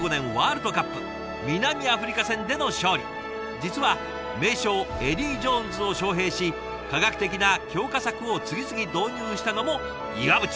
実は名将エディー・ジョーンズを招へいし科学的な強化策を次々導入したのも岩渕さん。